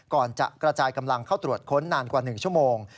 ก่อนจะกระจายกำลังเข้าตรวจค้นนานกว่า๑ชั่วโมง